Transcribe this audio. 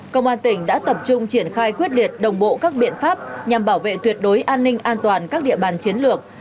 công an tỉnh đã tập trung triển khai quyết liệt đồng bộ các biện pháp nhằm bảo vệ tuyệt đối an ninh an toàn các địa bàn chiến lược